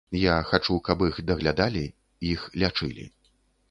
Я хачу, каб іх даглядалі, іх лячылі.